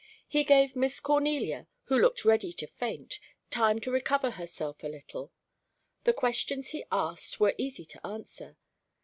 He gave Miss Cornelia, who looked ready to faint, time to recover herself a little. The questions he asked were easy to answer.